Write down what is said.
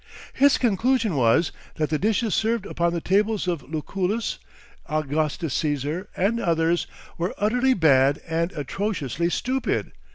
His conclusion was, that the dishes served upon the tables of Lucullus, Augustus Cæsar, and others, were "utterly bad and atrociously stupid."